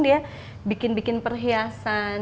dia bikin bikin perhiasan